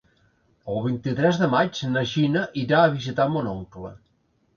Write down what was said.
El vint-i-tres de maig na Gina irà a visitar mon oncle.